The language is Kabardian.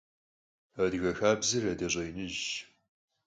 Адыгэ хабзэр адэ щӀэиныжьщ.